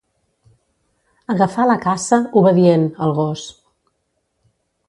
Agafà la caça, obedient, el gos.